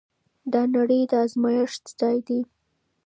دا نړۍ د ازمويښت ځای دی.